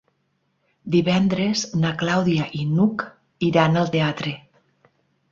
Divendres na Clàudia i n'Hug iran al teatre.